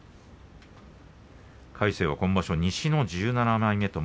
魁聖はこの場所、西の１７枚目。